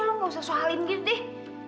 lo gak usah soalin gitu deh